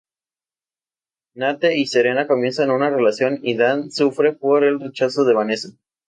Nate y Serena comienzan una relación y Dan sufre por el rechazo de Vanessa.